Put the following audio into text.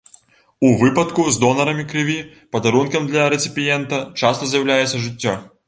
У выпадку з донарамі крыві падарункам для рэцыпіента часта з'яўляецца жыццё.